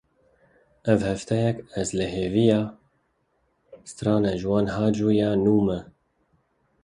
Ev hefteyek ez li hêviya strana Ciwan Haco ya nû me.